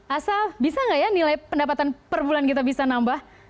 asal bisa nggak ya nilai pendapatan per bulan kita bisa nambah